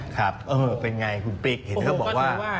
ครับเออเป็นไงคุณปิ๊กเห็นเขาบอกว่า